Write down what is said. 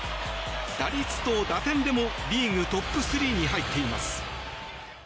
打率と打点でもリーグトップ３に入っています。